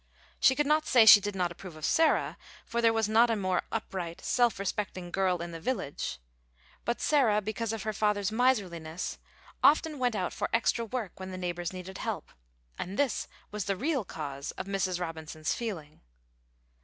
She could not say she did not approve of Sarah, for there was not a more upright, self respecting girl in the village. But Sarah, because of her father's miserliness, often went out for extra work when the neighbors needed help, and this was the real cause of Mrs. Robinson's feeling.